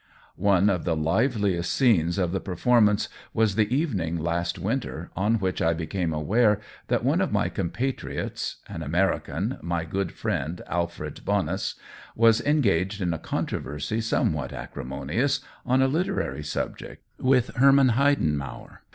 One of the liveliest scenes of the perform ance was the evening, last winter, on which I became aware that one of my compatriots I02 COLLABORATIOX — an American, my good friend Alfred Bo nus — W2LS engaged in a controversy some what acrimonious, on a literary subject with Herman Heidenmauer.